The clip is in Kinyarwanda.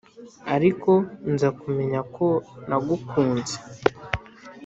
Ariko nza kumenya ko nagukunze